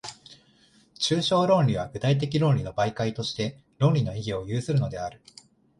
抽象論理は具体的論理の媒介として、論理の意義を有するのである。